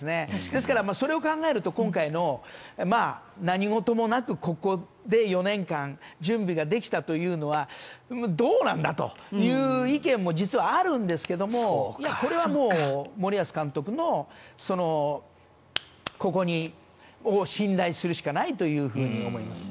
ですから、それを考えると今回の何事もなく、ここで４年間準備ができたというのはどうなんだという意見も実はあるんですがこれはもう森保監督のここを信頼するしかないと思います。